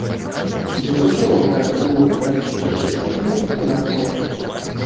Дзюба шырокая, плоская, са шчацінкамі па краях рота.